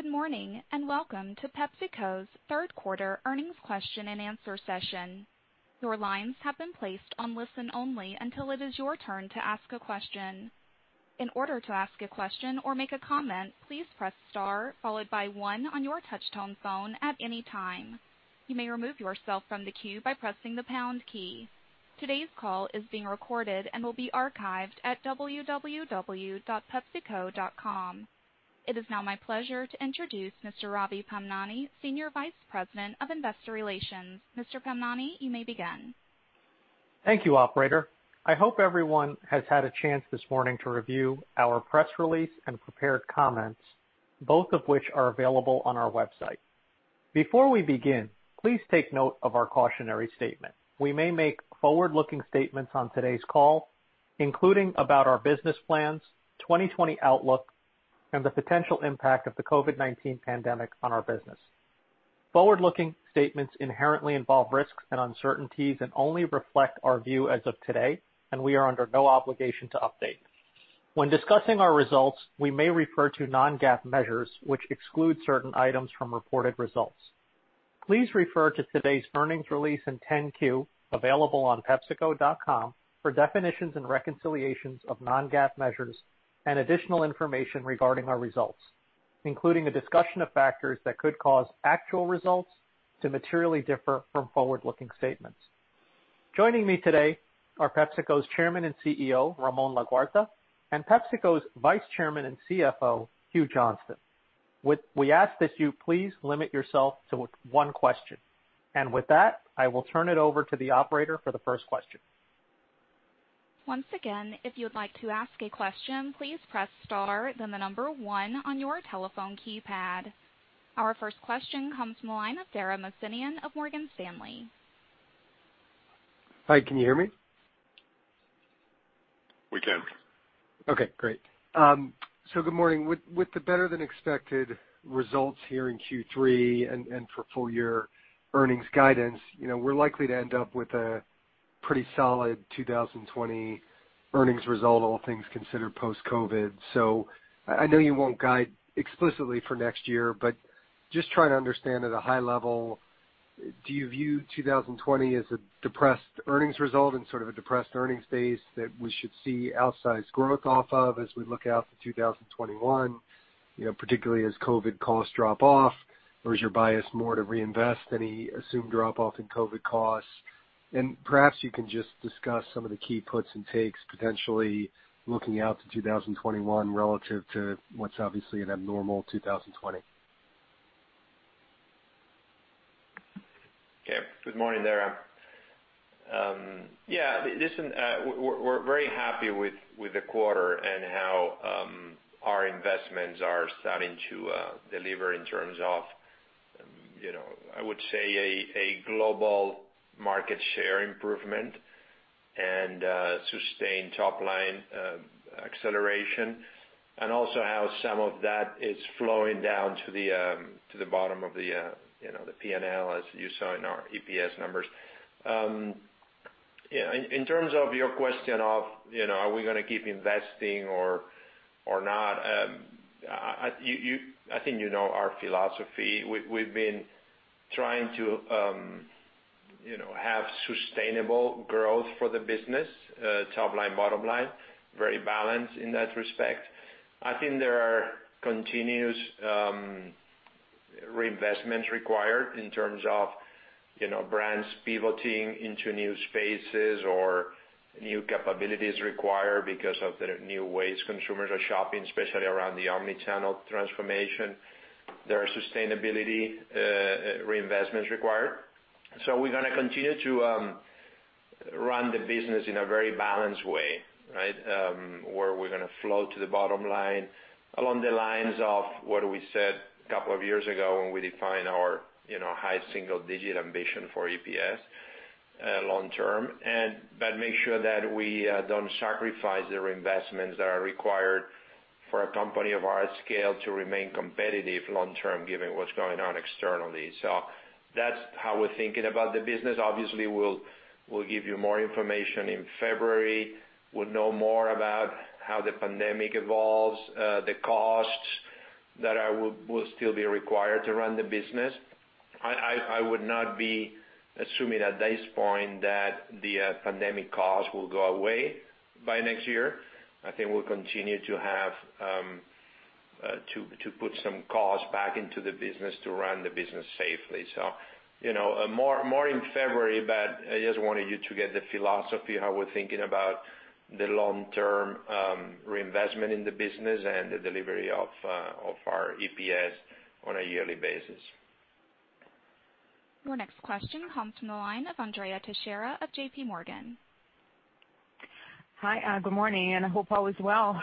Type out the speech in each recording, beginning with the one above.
Good morning, welcome to PepsiCo's third quarter earnings question and answer session. Your lines have been placed on listen only until it is your turn to ask a question. In order to ask a question or make a comment, please press star followed by one on your touchtone phone at any time. You may remove yourself from the queue by pressing the pound key. Today's call is being recorded and will be archived at www.pepsico.com. It is now my pleasure to introduce Mr. Ravi Pamnani, Senior Vice President of Investor Relations. Mr. Pamnani, you may begin. Thank you, operator. I hope everyone has had a chance this morning to review our press release and prepared comments, both of which are available on our website. Before we begin, please take note of our cautionary statement. We may make forward-looking statements on today's call, including about our business plans, 2020 outlook, and the potential impact of the COVID-19 pandemic on our business. Forward-looking statements inherently involve risks and uncertainties and only reflect our view as of today, and we are under no obligation to update. When discussing our results, we may refer to non-GAAP measures, which exclude certain items from reported results. Please refer to today's earnings release in 10-Q, available on pepsico.com, for definitions and reconciliations of non-GAAP measures and additional information regarding our results, including a discussion of factors that could cause actual results to materially differ from forward-looking statements. Joining me today are PepsiCo's Chairman and CEO, Ramon Laguarta, and PepsiCo's Vice Chairman and CFO, Hugh Johnston. We ask that you please limit yourself to one question. With that, I will turn it over to the operator for the first question. Once again, if you'd like to ask a question, please press star, then the number one on your telephone keypad. Our first question comes from the line of Dara Mohsenian of Morgan Stanley. Hi, can you hear me? We can. Okay, great. Good morning. With the better-than-expected results here in Q3 and for full-year earnings guidance, we're likely to end up with a pretty solid 2020 earnings result, all things considered, post-COVID. I know you won't guide explicitly for next year, but just trying to understand at a high level, do you view 2020 as a depressed earnings result and sort of a depressed earnings base that we should see outsized growth off of as we look out to 2021, particularly as COVID costs drop off? Is your bias more to reinvest any assumed drop-off in COVID costs? Perhaps you can just discuss some of the key puts and takes potentially looking out to 2021 relative to what's obviously an abnormal 2020. Good morning, Dara. Listen, we're very happy with the quarter and how our investments are starting to deliver in terms of, I would say, a global market share improvement, and sustained top-line acceleration, and also how some of that is flowing down to the bottom of the P&L, as you saw in our EPS numbers. In terms of your question of are we going to keep investing or not, I think you know our philosophy. We've been trying to have sustainable growth for the business, top line, bottom line, very balanced in that respect. I think there are continuous reinvestments required in terms of brands pivoting into new spaces or new capabilities required because of the new ways consumers are shopping, especially around the omnichannel transformation. There are sustainability reinvestments required. We're going to continue to run the business in a very balanced way, right? Where we're going to flow to the bottom line along the lines of what we said a couple of years ago when we defined our high single-digit ambition for EPS long term. Make sure that we don't sacrifice the reinvestments that are required for a company of our scale to remain competitive long term, given what's going on externally. That's how we're thinking about the business. Obviously, we'll give you more information in February. We'll know more about how the pandemic evolves, the costs that will still be required to run the business. I would not be assuming at this point that the pandemic costs will go away by next year. I think we'll continue to put some costs back into the business to run the business safely. More in February, but I just wanted you to get the philosophy, how we're thinking about the long-term reinvestment in the business and the delivery of our EPS on a yearly basis. Your next question comes from the line of Andrea Teixeira of JPMorgan. Hi, good morning, and hope all is well.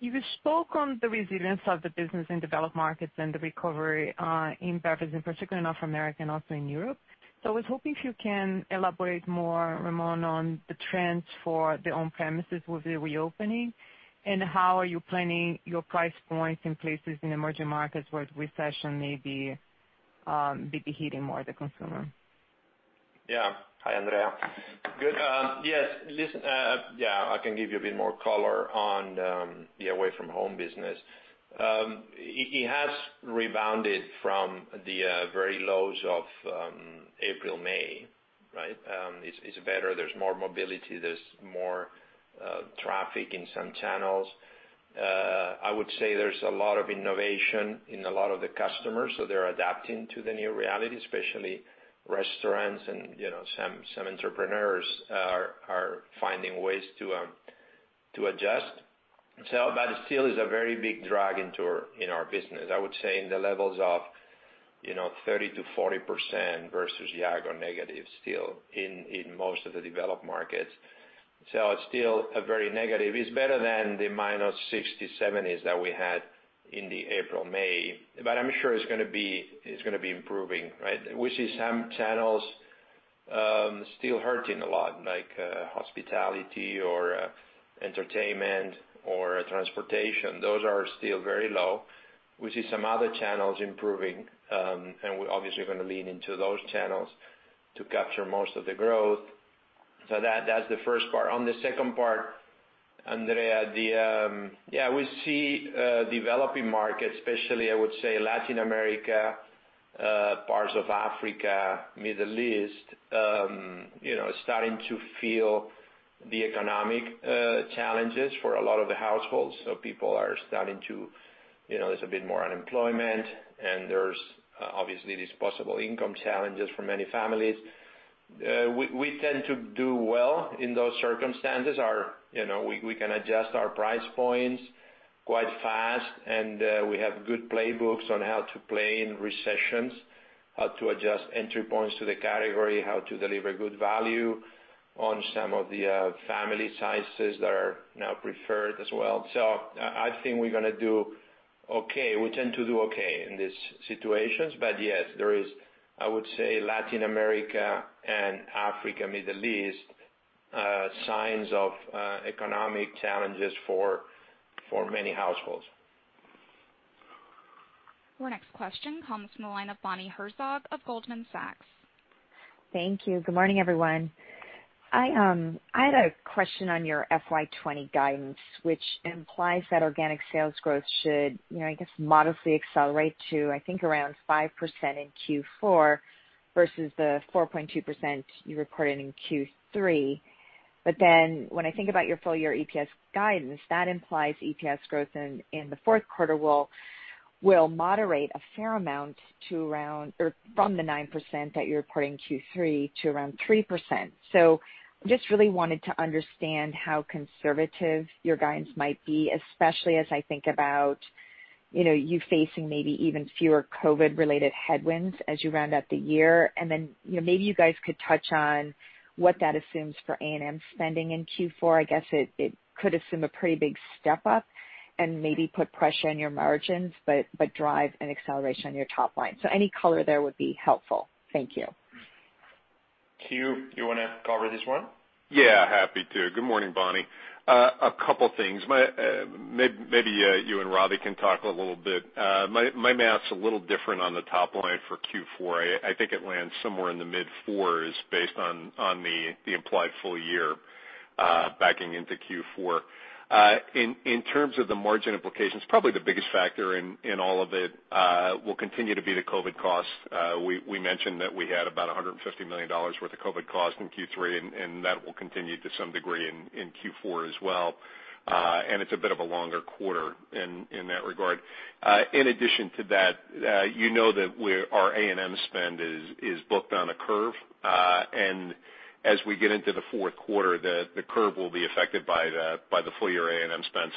You spoke on the resilience of the business in developed markets and the recovery in beverages, in particular in North America and also in Europe. I was hoping if you can elaborate more, Ramon, on the trends for the on-premises with the reopening, and how are you planning your price points in places in emerging markets where the recession may be hitting more the consumer? Yeah. Hi, Andrea. Good. Yes, listen, I can give you a bit more color on the away-from-home business. It has rebounded from the very lows of April, May. It's better. There's more mobility, there's more traffic in some channels. I would say there's a lot of innovation in a lot of the customers. They're adapting to the new reality, especially restaurants and some entrepreneurs are finding ways to adjust. That still is a very big drag in our business, I would say in the levels of 30%-40% versus year on negative still in most of the developed markets. It's still very negative. It's better than the -60%, -70% that we had in the April, May. I'm sure it's going to be improving. We see some channels still hurting a lot, like hospitality or entertainment or transportation. Those are still very low. We see some other channels improving. We're obviously going to lean into those channels to capture most of the growth. That's the first part. On the second part, Andrea, we see developing markets, especially, I would say, Latin America, parts of Africa, Middle East, starting to feel the economic challenges for a lot of the households. There's a bit more unemployment and there's obviously these possible income challenges for many families. We tend to do well in those circumstances. We can adjust our price points quite fast, and we have good playbooks on how to play in recessions, how to adjust entry points to the category, how to deliver good value on some of the family sizes that are now preferred as well. I think we're going to do okay. We tend to do okay in these situations. Yes, there is, I would say, Latin America and Africa, Middle East, signs of economic challenges for many households. Our next question comes from the line of Bonnie Herzog of Goldman Sachs. Thank you. Good morning, everyone. I had a question on your FY 2020 guidance, which implies that organic sales growth should, I guess, modestly accelerate to, I think, around 5% in Q4 versus the 4.2% you reported in Q3. When I think about your full-year EPS guidance, that implies EPS growth in the fourth quarter will moderate a fair amount from the 9% that you're reporting Q3 to around 3%. I just really wanted to understand how conservative your guidance might be, especially as I think about you facing maybe even fewer COVID-related headwinds as you round out the year. Maybe you guys could touch on what that assumes for A&M spending in Q4. I guess it could assume a pretty big step up and maybe put pressure on your margins, but drive an acceleration on your top line. Any color there would be helpful. Thank you. Hugh, you want to cover this one? Yeah, happy to. Good morning, Bonnie. A couple things. Maybe you and Ravi can talk a little bit. My math's a little different on the top line for Q4. I think it lands somewhere in the mid-fours based on the implied full year backing into Q4. In terms of the margin implications, probably the biggest factor in all of it will continue to be the COVID costs. We mentioned that we had about $150 million worth of COVID costs in Q3, and that will continue to some degree in Q4 as well. It's a bit of a longer quarter in that regard. In addition to that, you know that our A&M spend is booked on a curve. As we get into the fourth quarter, the curve will be affected by the full-year A&M spend.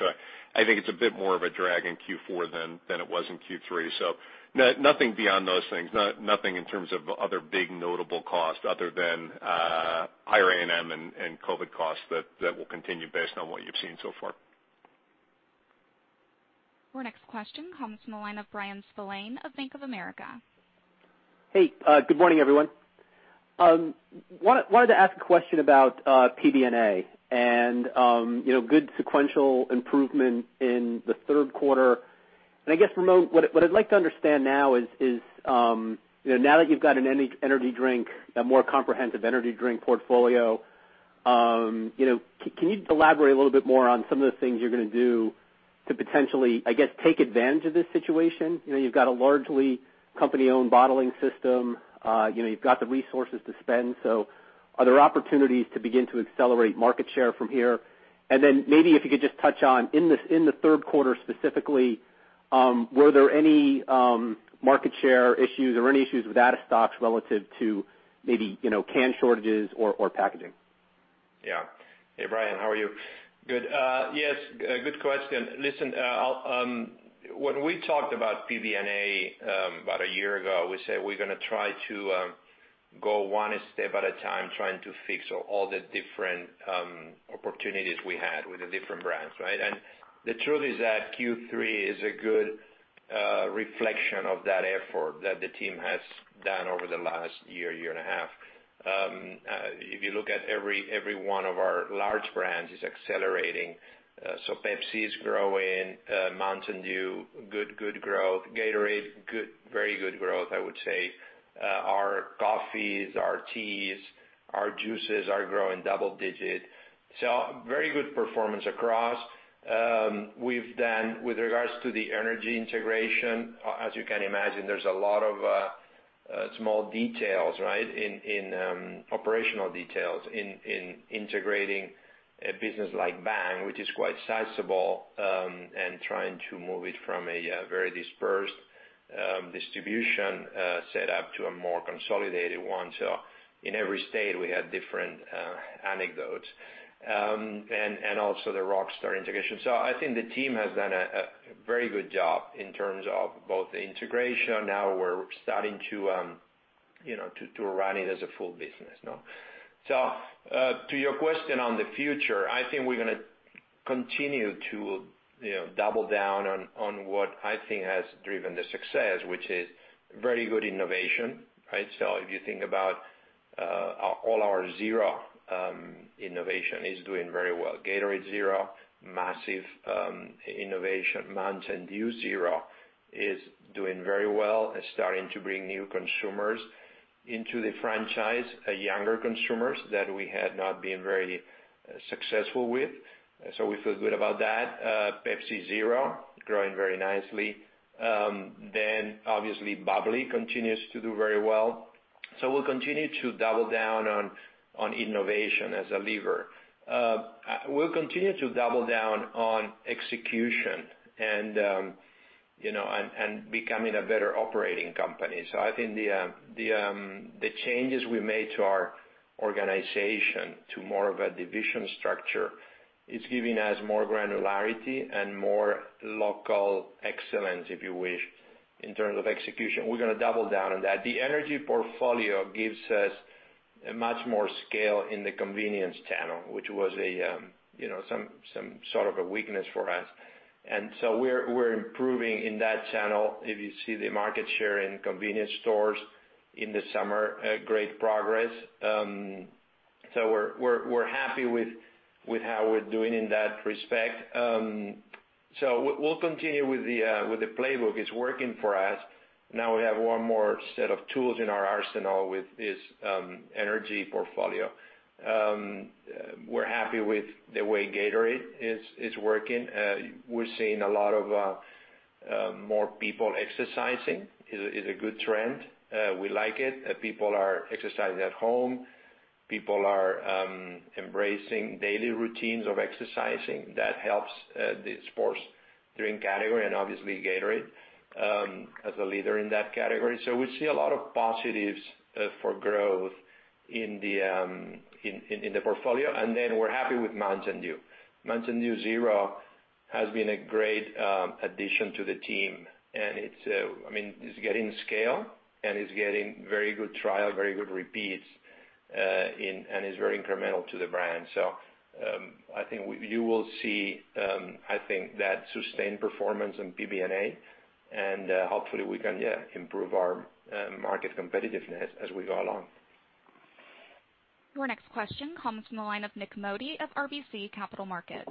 I think it's a bit more of a drag in Q4 than it was in Q3. Nothing beyond those things. Nothing in terms of other big notable costs other than higher A&M and COVID costs that will continue based on what you've seen so far. Our next question comes from the line of Bryan Spillane of Bank of America. Good morning, everyone. Wanted to ask a question about PBNA and good sequential improvement in the third quarter. I guess, Ramon, what I'd like to understand now is, now that you've got a more comprehensive energy drink portfolio, can you elaborate a little bit more on some of the things you're going to do to potentially, I guess, take advantage of this situation? You've got a largely company-owned bottling system. You've got the resources to spend. Are there opportunities to begin to accelerate market share from here? Maybe if you could just touch on, in the third quarter specifically, were there any market share issues or any issues with out-of-stocks relative to maybe can shortages or packaging? Yeah. Bryan, how are you? Good. Yes, good question. Listen, when we talked about PBNA about a year ago, we said we're going to try to go one step at a time trying to fix all the different opportunities we had with the different brands. The truth is that Q3 is a good reflection of that effort that the team has done over the last year and a half. If you look at every one of our large brands is accelerating. Pepsi is growing. Mountain Dew, good growth. Gatorade, very good growth, I would say. Our coffees, our teas, our juices are growing double-digit. Very good performance across. We've done, with regards to the energy integration, as you can imagine, there's a lot of small details, operational details in integrating a business like Bang, which is quite sizable, and trying to move it from a very dispersed distribution set up to a more consolidated one. In every state we have different anecdotes. Also the Rockstar integration. I think the team has done a very good job in terms of both the integration. Now we're starting to run it as a full business. To your question on the future, I think we're going to continue to double down on what I think has driven the success, which is very good innovation. If you think about all our zero innovation is doing very well. Gatorade Zero, massive innovation. Mountain Dew Zero is doing very well and starting to bring new consumers into the franchise, younger consumers that we had not been very successful with. We feel good about that. Pepsi Zero, growing very nicely. Obviously bubly continues to do very well. We'll continue to double down on innovation as a lever. We'll continue to double down on execution and becoming a better operating company. I think the changes we made to our organization to more of a division structure is giving us more granularity and more local excellence, if you wish, in terms of execution. We're going to double down on that. The energy portfolio gives us much more scale in the convenience channel, which was some sort of a weakness for us. We're improving in that channel. If you see the market share in convenience stores in the summer, great progress. We're happy with how we're doing in that respect. We'll continue with the playbook. It's working for us. Now we have one more set of tools in our arsenal with this energy portfolio. We're happy with the way Gatorade is working. We're seeing a lot of more people exercising. It's a good trend. We like it. People are exercising at home. People are embracing daily routines of exercising that helps the sports drink category and obviously Gatorade, as a leader in that category. We see a lot of positives for growth in the portfolio. We're happy with Mountain Dew. Mountain Dew Zero has been a great addition to the team, and it's getting scale and it's getting very good trial, very good repeats, and is very incremental to the brand. I think you will see that sustained performance in PBNA, and hopefully we can, yeah, improve our market competitiveness as we go along. Your next question comes from the line of Nik Modi of RBC Capital Markets.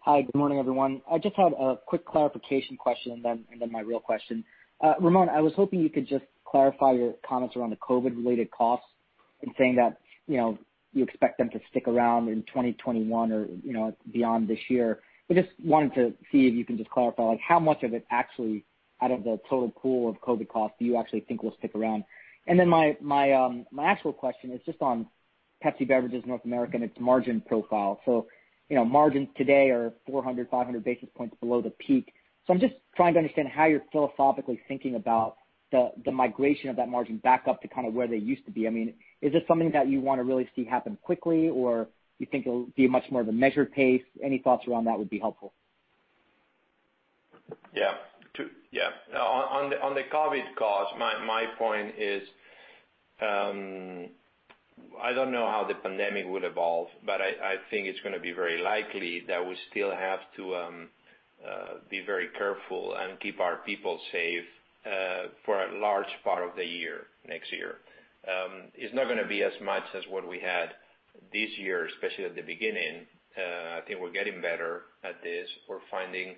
Hi, good morning, everyone. I just had a quick clarification question, and then my real question. Ramon, I was hoping you could just clarify your comments around the COVID-related costs in saying that you expect them to stick around in 2021 or beyond this year. I just wanted to see if you can just clarify, how much of it actually out of the total pool of COVID costs do you actually think will stick around? My actual question is just on PepsiCo Beverages North America and its margin profile. Margins today are 400 basis points, 500 basis points below the peak. I'm just trying to understand how you're philosophically thinking about the migration of that margin back up to where they used to be. Is this something that you want to really see happen quickly, or you think it'll be much more of a measured pace? Any thoughts around that would be helpful. Yeah. On the COVID cost, my point is, I don't know how the pandemic will evolve, but I think it's going to be very likely that we still have to be very careful and keep our people safe for a large part of the year, next year. It's not going to be as much as what we had this year, especially at the beginning. I think we're getting better at this. We're finding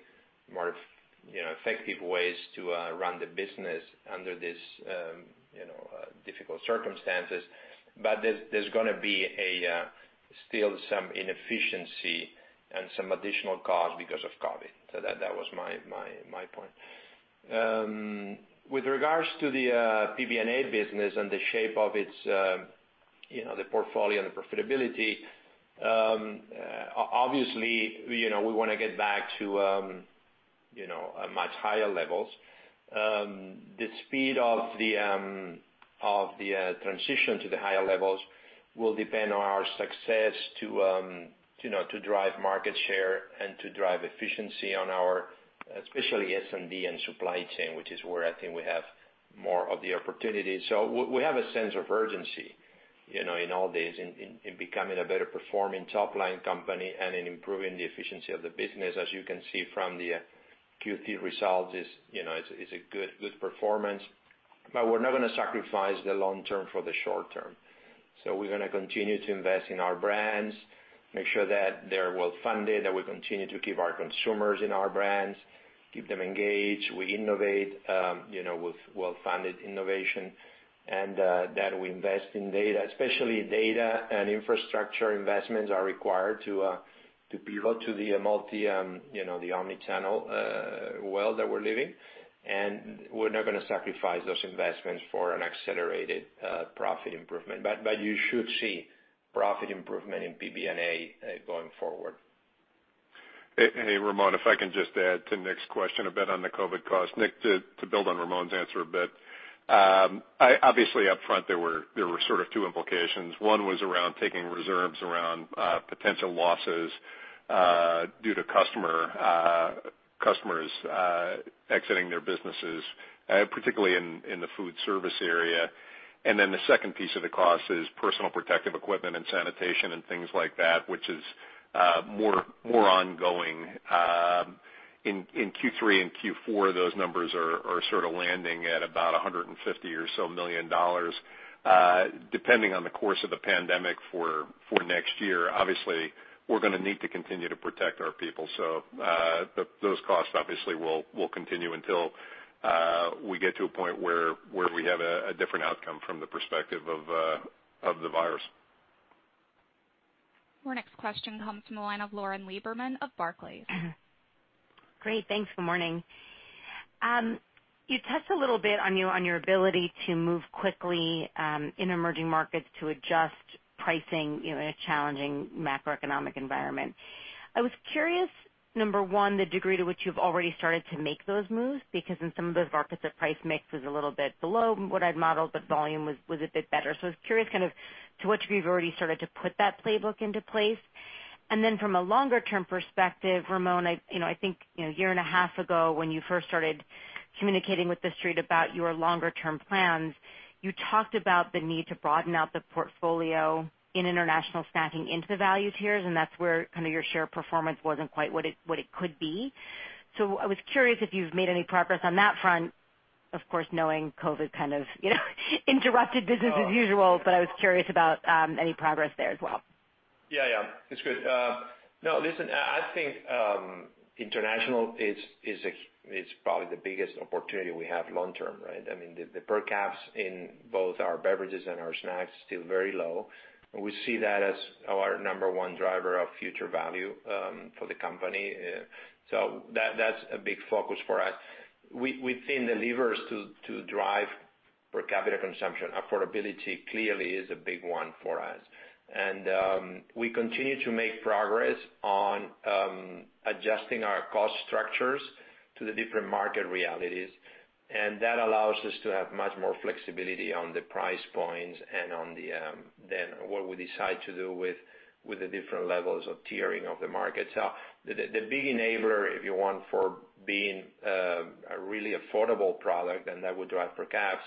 more effective ways to run the business under these difficult circumstances. There's going to be still some inefficiency and some additional cost because of COVID. That was my point. With regards to the PBNA business and the shape of the portfolio and the profitability, obviously, we want to get back to much higher levels. The speed of the transition to the higher levels will depend on our success to drive market share and to drive efficiency on our, especially S&D and supply chain, which is where I think we have more of the opportunity. We have a sense of urgency in all this, in becoming a better performing top-line company and in improving the efficiency of the business, as you can see from the Q3 result is a good performance. We're not going to sacrifice the long term for the short term. We're going to continue to invest in our brands, make sure that they're well-funded, that we continue to keep our consumers in our brands, keep them engaged. We innovate with well-funded innovation and that we invest in data, especially data and infrastructure investments are required to build to the omnichannel world that we're living. We're not going to sacrifice those investments for an accelerated profit improvement. You should see profit improvement in PBNA going forward. Ramon, if I can just add to Nik's question a bit on the COVID cost. Nik, to build on Ramon's answer a bit. Obviously up front, there were sort of two implications. One was around taking reserves around potential losses due to customers exiting their businesses, particularly in the food service area. The second piece of the cost is personal protective equipment and sanitation and things like that, which is more ongoing. In Q3 and Q4, those numbers are sort of landing at about $150 or so million. Depending on the course of the pandemic for next year, obviously, we're going to need to continue to protect our people. Those costs obviously will continue until we get to a point where we have a different outcome from the perspective of the virus. Our next question comes from the line of Lauren Lieberman of Barclays. Great. Thanks. Good morning. You touched a little bit on your ability to move quickly in emerging markets to adjust pricing in a challenging macroeconomic environment. I was curious, number one, the degree to which you've already started to make those moves, because in some of those markets, the price mix was a little bit below what I'd modeled, but volume was a bit better. I was curious kind of to what degree you've already started to put that playbook into place. From a longer-term perspective, Ramon, I think a year and a half ago when you first started communicating with the Street about your longer-term plans, you talked about the need to broaden out the portfolio in international snacking into the value tiers, and that's where kind of your share performance wasn't quite what it could be. I was curious if you've made any progress on that front, of course, knowing COVID kind of interrupted business as usual, but I was curious about any progress there as well. It's good. Listen, I think international is probably the biggest opportunity we have long term, right? I mean, the per caps in both our beverages and our snacks still very low. We see that as our number one driver of future value for the company. That's a big focus for us. We've seen the levers to drive per capita consumption. Affordability clearly is a big one for us. We continue to make progress on adjusting our cost structures to the different market realities, and that allows us to have much more flexibility on the price points and on what we decide to do with the different levels of tiering of the market. The big enabler, if you want, for being a really affordable product and that would drive per caps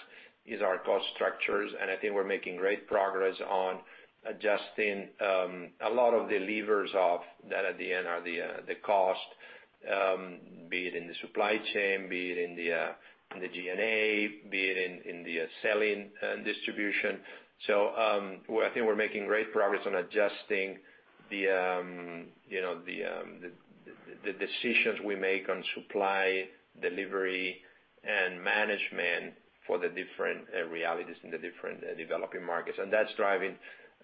is our cost structures. I think we're making great progress on adjusting a lot of the levers off that at the end are the cost, be it in the supply chain, be it in the G&A, be it in the selling and distribution. I think we're making great progress on adjusting the decisions we make on supply, delivery, and management for the different realities in the different developing markets. That's driving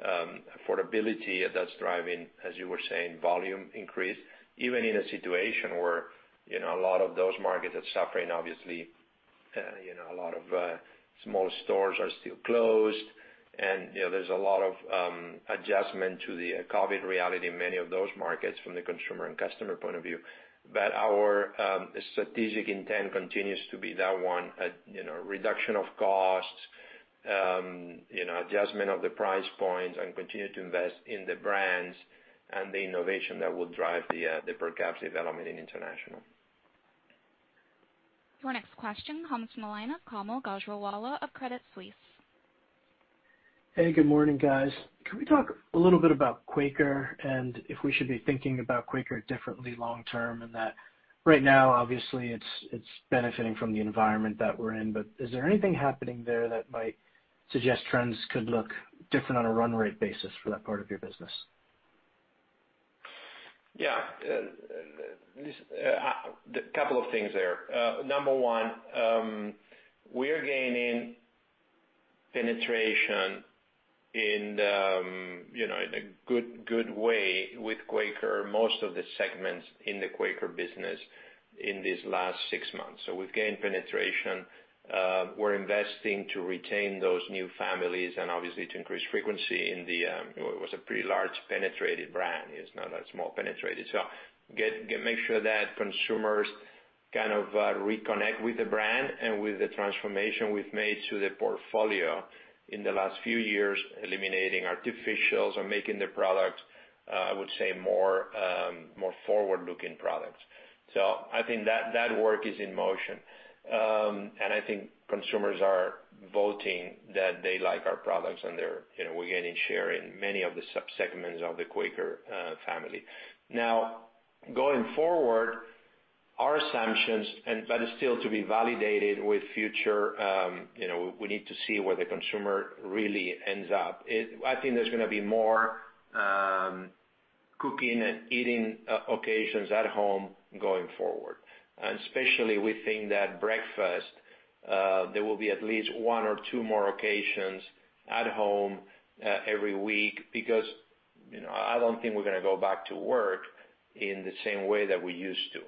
affordability. That's driving, as you were saying, volume increase, even in a situation where a lot of those markets are suffering, obviously, a lot of small stores are still closed and there's a lot of adjustment to the COVID reality in many of those markets from the consumer and customer point of view. Our strategic intent continues to be that one, reduction of costs, adjustment of the price points, and continue to invest in the brands and the innovation that will drive the per caps development in international. Your next question comes from the line of Kaumil Gajrawala of Credit Suisse. Hey, good morning, guys. Can we talk a little bit about Quaker, and if we should be thinking about Quaker differently long term in that right now, obviously, it's benefiting from the environment that we're in, but is there anything happening there that might suggest trends could look different on a run rate basis for that part of your business? A couple of things there. Number one, we are gaining penetration in a good way with Quaker, most of the segments in the Quaker business in these last six months. We've gained penetration. We're investing to retain those new families and obviously to increase frequency in the, it was a pretty large penetrated brand. It's not a small penetrated. Make sure that consumers kind of reconnect with the brand and with the transformation we've made to the portfolio in the last few years, eliminating artificials and making the product, I would say, more forward-looking products. I think that work is in motion. I think consumers are voting that they like our products, and we're gaining share in many of the sub-segments of the Quaker family. Going forward, our assumptions. It's still to be validated with future. We need to see where the consumer really ends up. I think there's going to be more cooking and eating occasions at home going forward. Especially, we think that breakfast, there will be at least one or two more occasions at home every week, because I don't think we're going to go back to work in the same way that we used to.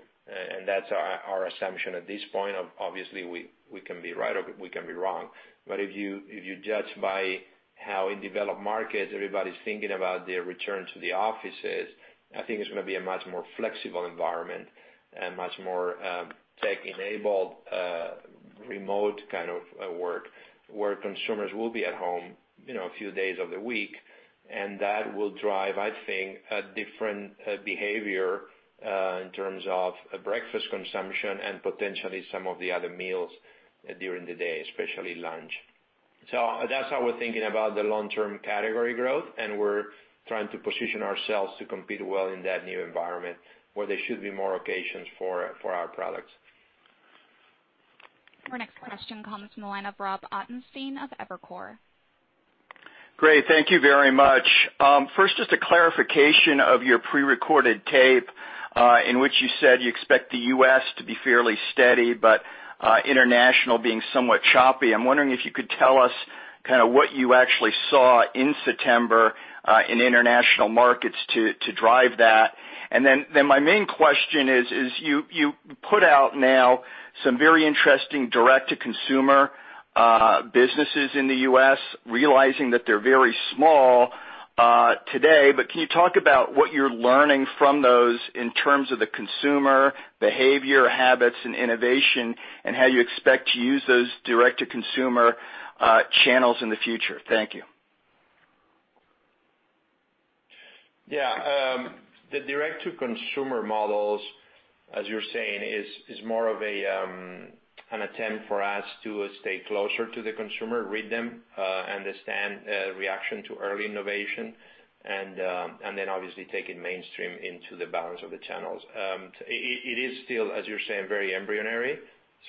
That's our assumption at this point. Obviously, we can be right or we can be wrong. If you judge by how in developed markets, everybody's thinking about their return to the offices, I think it's going to be a much more flexible environment and much more tech-enabled, remote kind of work, where consumers will be at home a few days of the week. That will drive, I think, a different behavior in terms of breakfast consumption and potentially some of the other meals during the day, especially lunch. That's how we're thinking about the long-term category growth, and we're trying to position ourselves to compete well in that new environment, where there should be more occasions for our products. Our next question comes from the line of Rob Ottenstein of Evercore. Great. Thank you very much. First, just a clarification of your pre-recorded tape, in which you said you expect the U.S. to be fairly steady, but international being somewhat choppy. I'm wondering if you could tell us what you actually saw in September, in international markets to drive that. My main question is, you put out now some very interesting direct-to-consumer businesses in the U.S., realizing that they're very small today, but can you talk about what you're learning from those in terms of the consumer behavior, habits, and innovation, and how you expect to use those direct-to-consumer channels in the future? Thank you. The direct-to-consumer models, as you're saying, is more of an attempt for us to stay closer to the consumer, read them, understand reaction to early innovation, and then obviously take it mainstream into the balance of the channels. It is still, as you're saying, very embryonic,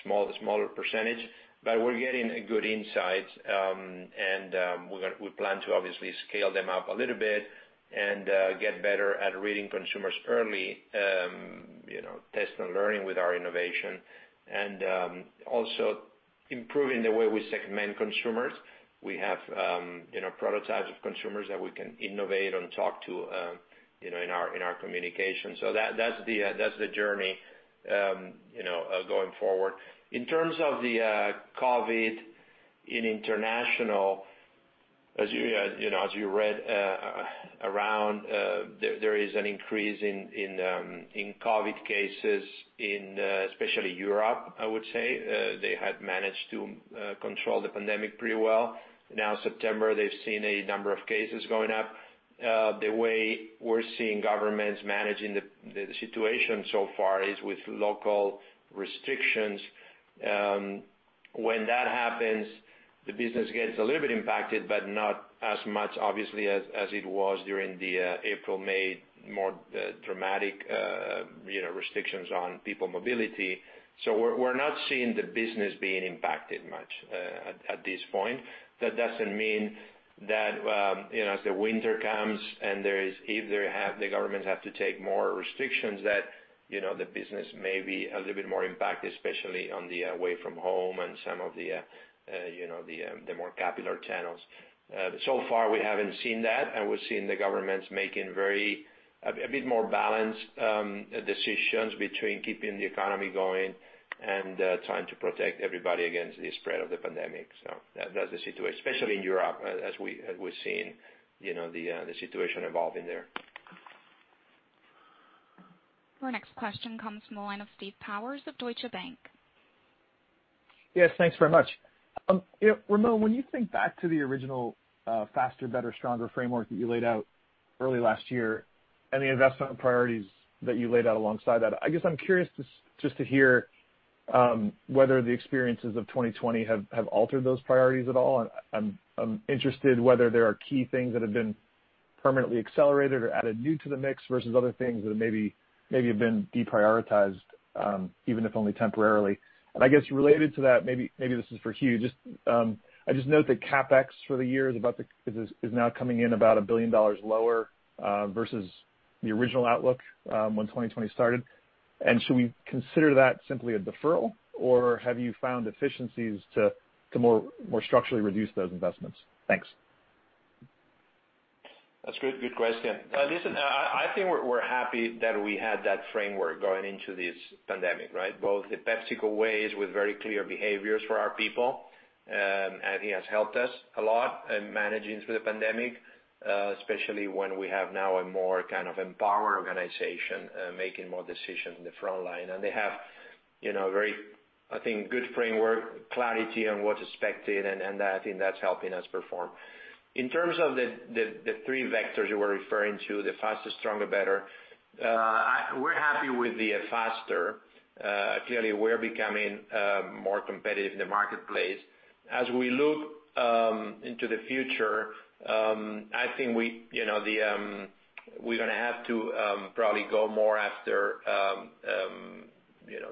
smaller percentage, but we're getting good insights. We plan to obviously scale them up a little bit and get better at reading consumers early, test and learning with our innovation. Also improving the way we segment consumers. We have prototypes of consumers that we can innovate and talk to in our communication. That's the journey going forward. In terms of the COVID in international, as you read around, there is an increase in COVID cases in especially Europe, I would say. They had managed to control the pandemic pretty well. Now, September, they've seen a number of cases going up. The way we're seeing governments managing the situation so far is with local restrictions. When that happens, the business gets a little bit impacted, but not as much, obviously, as it was during the April, May, more dramatic restrictions on people mobility. We're not seeing the business being impacted much at this point. That doesn't mean that as the winter comes and if the governments have to take more restrictions, that the business may be a little bit more impacted, especially on the away from home and some of the more popular channels. So far we haven't seen that, and we're seeing the governments making a bit more balanced decisions between keeping the economy going and trying to protect everybody against the spread of the pandemic. That's the situation, especially in Europe, as we're seeing the situation evolving there. Our next question comes from the line of Steve Powers of Deutsche Bank. Yes, thanks very much. Ramon, when you think back to the original faster, better, stronger framework that you laid out early last year and the investment priorities that you laid out alongside that, I guess I'm curious just to hear whether the experiences of 2020 have altered those priorities at all. I'm interested whether there are key things that have been permanently accelerated or added new to the mix versus other things that maybe have been deprioritized, even if only temporarily. I guess related to that, maybe this is for Hugh, I just note that CapEx for the year is now coming in about $1 billion lower versus the original outlook when 2020 started. Should we consider that simply a deferral, or have you found efficiencies to more structurally reduce those investments? Thanks. That's a good question. Listen, I think we're happy that we had that framework going into this pandemic, right? Both PepsiCo Ways with very clear behaviors for our people. It has helped us a lot in managing through the pandemic, especially when we have now a more kind of empowered organization, making more decisions in the front line. They have very, I think, good framework, clarity on what's expected, and I think that's helping us perform. In terms of the three vectors you were referring to, the faster, stronger, better, we're happy with the faster. Clearly, we're becoming more competitive in the marketplace. As we look into the future, I think we're going to have to probably go more after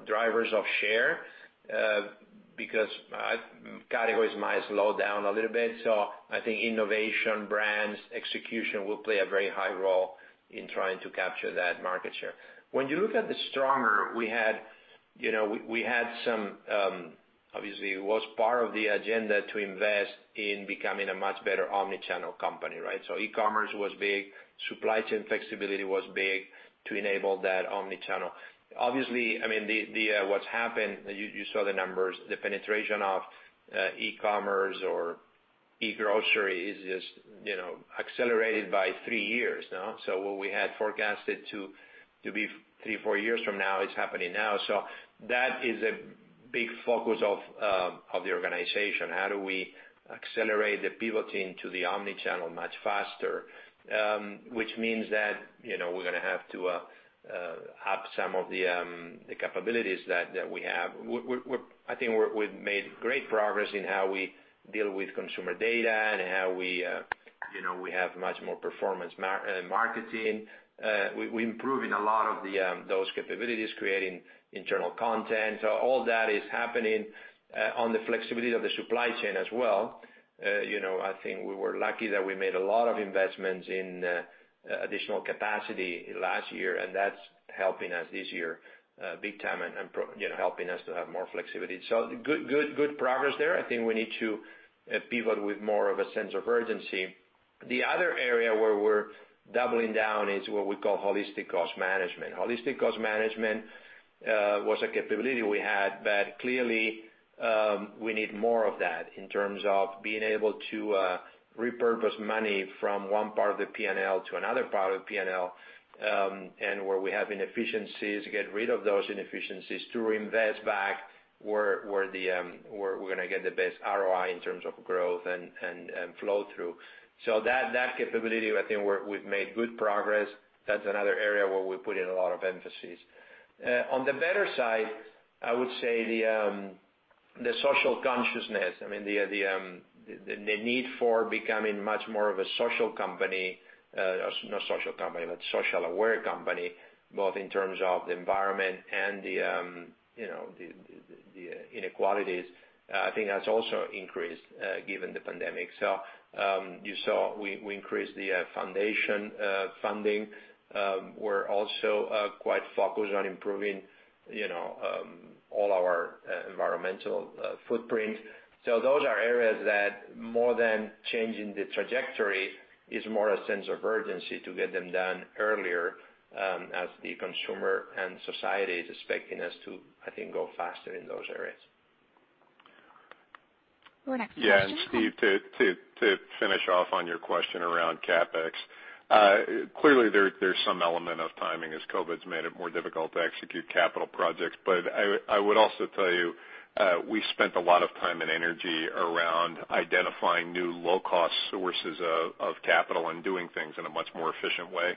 drivers of share, because categories might slow down a little bit. I think innovation, brands, execution will play a very high role in trying to capture that market share. When you look at the stronger, obviously, it was part of the agenda to invest in becoming a much better omnichannel company, right? E-commerce was big, supply chain flexibility was big to enable that omnichannel. Obviously, what's happened, you saw the numbers, the penetration of e-commerce or e-grocery is just accelerated by three years now. What we had forecasted to be three to four years from now is happening now. That is a big focus of the organization. How do we accelerate the pivoting to the omnichannel much faster? Which means that we're going to have to up some of the capabilities that we have. I think we've made great progress in how we deal with consumer data and how we have much more performance marketing. We're improving a lot of those capabilities, creating internal content. All that is happening on the flexibility of the supply chain as well. I think we were lucky that we made a lot of investments in additional capacity last year, and that's helping us this year big time and helping us to have more flexibility. Good progress there. I think we need to pivot with more of a sense of urgency. The other area where we're doubling down is what we call Holistic Cost Management. Holistic Cost Management was a capability we had, but clearly, we need more of that in terms of being able to repurpose money from one part of the P&L to another part of the P&L. Where we have inefficiencies, get rid of those inefficiencies to invest back where we're going to get the best ROI in terms of growth and flow-through. That capability, I think we've made good progress. That's another area where we put in a lot of emphasis. On the better side, I would say the social consciousness, the need for becoming much more of a social company, not social company, but social aware company, both in terms of the environment and the inequalities. I think that's also increased given the pandemic. You saw we increased the foundation funding. We're also quite focused on improving all our environmental footprint. Those are areas that more than changing the trajectory, is more a sense of urgency to get them done earlier, as the consumer and society is expecting us to, I think, go faster in those areas. Yeah. Steve, to finish off on your question around CapEx. Clearly, there's some element of timing as COVID's made it more difficult to execute capital projects. I would also tell you, we spent a lot of time and energy around identifying new low-cost sources of capital and doing things in a much more efficient way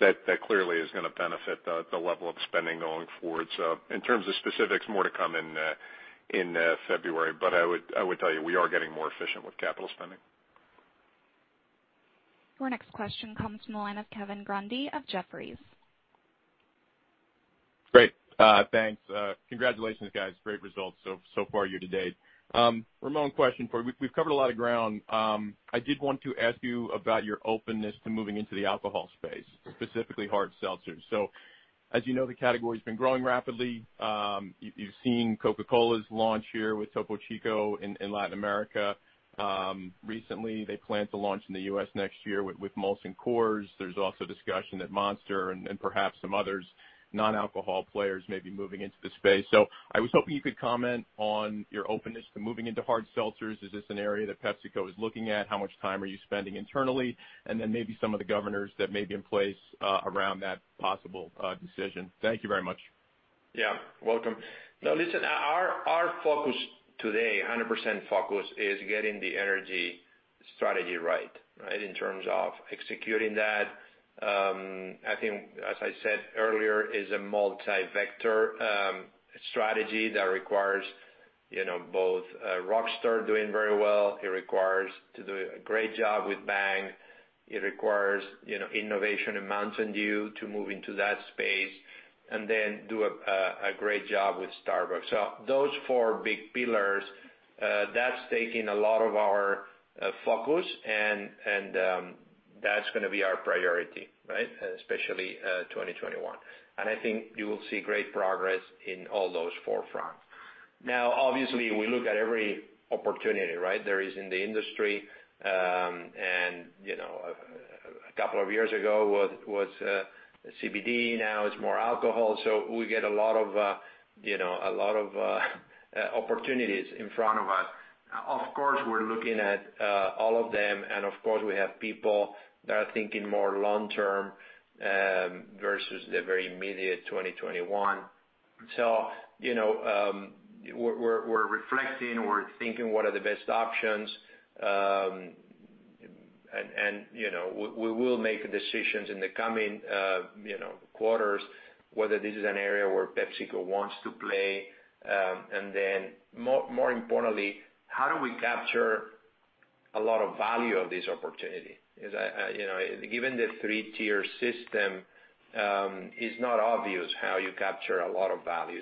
that clearly is going to benefit the level of spending going forward. In terms of specifics, more to come in February. I would tell you, we are getting more efficient with capital spending. Your next question comes from the line of Kevin Grundy of Jefferies. Great. Thanks. Congratulations, guys. Great results so far year to date. Ramon, question for you. We've covered a lot of ground. I did want to ask you about your openness to moving into the alcohol space, specifically hard seltzers. As you know, the category's been growing rapidly. You've seen Coca-Cola's launch here with Topo Chico in Latin America. Recently, they plan to launch in the U.S. next year with Molson Coors. There's also discussion that Monster and perhaps some others, non-alcohol players may be moving into the space. I was hoping you could comment on your openness to moving into hard seltzers. Is this an area that PepsiCo is looking at? How much time are you spending internally? Maybe some of the governors that may be in place around that possible decision. Thank you very much. Yeah. Welcome. Now, listen, our focus today, 100% focus, is getting the energy strategy right in terms of executing that. I think, as I said earlier, is a multi-vector strategy that requires both Rockstar doing very well. It requires to do a great job with Bang. It requires innovation in Mountain Dew to move into that space, and then do a great job with Starbucks. Those four big pillars, that's taking a lot of our focus, and that's going to be our priority, right? Especially 2021. I think you will see great progress in all those forefronts. Now, obviously, we look at every opportunity, right, there is in the industry. A couple of years ago was CBD, now it's more alcohol. We get a lot of opportunities in front of us. Of course, we're looking at all of them, of course, we have people that are thinking more long-term versus the very immediate 2021. We're reflecting, we're thinking what are the best options. We will make decisions in the coming quarters whether this is an area where PepsiCo wants to. More importantly, how do we capture a lot of value of this opportunity? Given the three-tier system, it's not obvious how you capture a lot of value.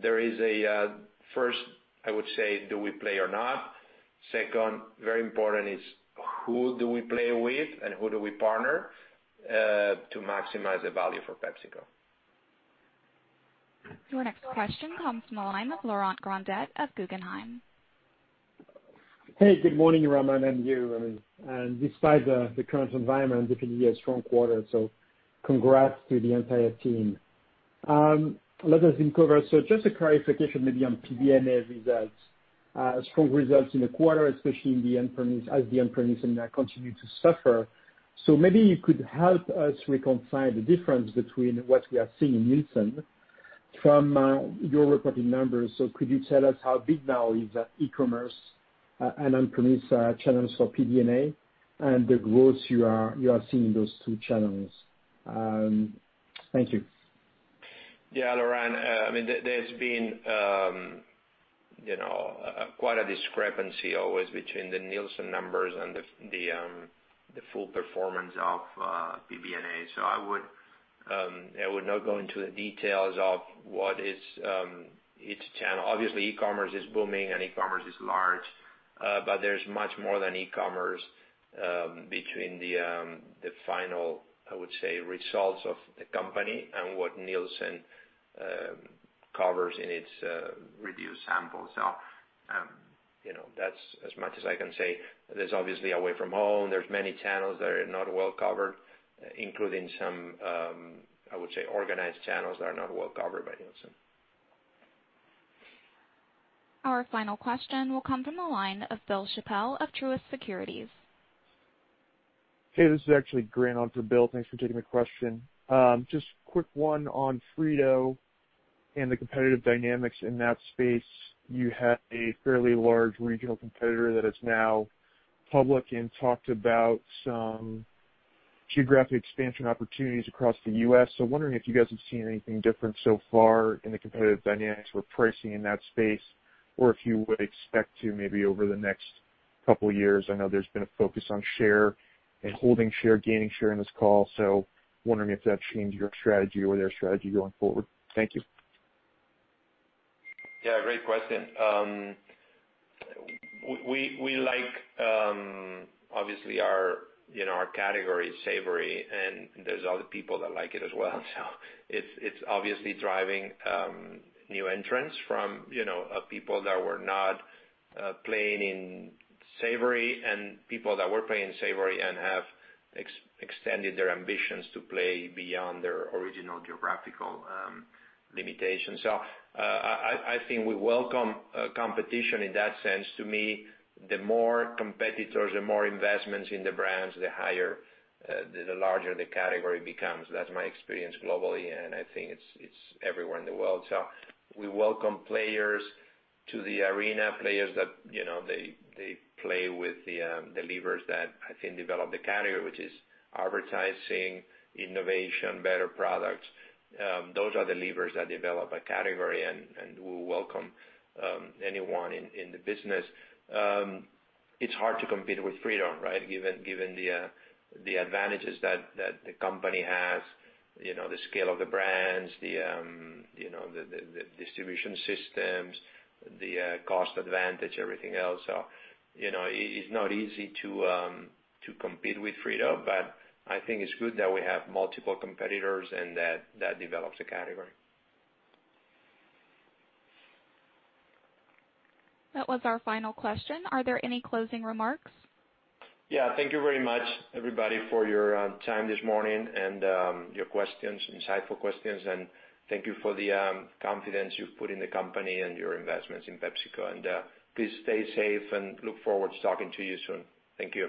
There is a first, I would say, do we play or not? Second, very important is who do we play with and who do we partner to maximize the value for PepsiCo? Your next question comes from the line of Laurent Grandet at Guggenheim. Good morning, Ramon and you. Despite the current environment, it can be a strong quarter, so congrats to the entire team. A lot has been covered. Just a clarification maybe on PBNA results. Strong results in the quarter, especially as the on-premise and that continue to suffer. Maybe you could help us reconcile the difference between what we are seeing in Nielsen from your reported numbers. Could you tell us how big now is e-commerce and on-premise channels for PBNA and the growth you are seeing in those two channels? Thank you. Yeah. Laurent, there's been quite a discrepancy always between the Nielsen numbers and the full performance of PBNA. I would not go into the details of what is each channel. Obviously, e-commerce is booming and e-commerce is large. There's much more than e-commerce between the final, I would say, results of the company and what Nielsen covers in its reduced samples. That's as much as I can say. There's obviously away from home, there's many channels that are not well covered, including some, I would say, organized channels that are not well covered by Nielsen. Our final question will come from the line of Bill Chappell of Truist Securities. This is actually Grant on for Bill. Thanks for taking my question. Just quick one on Frito and the competitive dynamics in that space. You had a fairly large regional competitor that is now public and talked about some geographic expansion opportunities across the U.S. Wondering if you guys have seen anything different so far in the competitive dynamics or pricing in that space, or if you would expect to maybe over the next couple of years. I know there's been a focus on share and holding share, gaining share on this call. Wondering if that changed your strategy or their strategy going forward. Thank you. Yeah, great question. We like, obviously our category is savory, and there's other people that like it as well. It's obviously driving new entrants from people that were not playing in savory and people that were playing in savory and have extended their ambitions to play beyond their original geographical limitations. I think we welcome competition in that sense. To me, the more competitors, the more investments in the brands, the larger the category becomes. That's my experience globally, and I think it's everywhere in the world. We welcome players to the arena, players that they play with the levers that I think develop the category, which is advertising, innovation, better products. Those are the levers that develop a category, and we welcome anyone in the business. It's hard to compete with Frito, right? Given the advantages that the company has, the scale of the brands, the distribution systems, the cost advantage, everything else. It's not easy to compete with Frito, but I think it's good that we have multiple competitors and that develops the category. That was our final question. Are there any closing remarks? Thank you very much, everybody, for your time this morning and your questions, insightful questions. Thank you for the confidence you've put in the company and your investments in PepsiCo. Please stay safe, and look forward to talking to you soon. Thank you.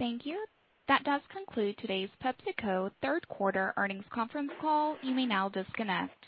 Thank you. That does conclude today's PepsiCo third quarter earnings conference call. You may now disconnect.